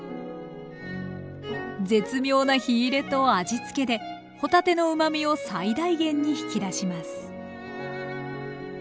絶妙な火入れと味付けで帆立てのうまみを最大限に引き出します